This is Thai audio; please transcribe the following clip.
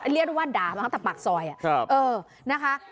เรียกได้ว่าดามาต่างปากซอยอะเออนะคะ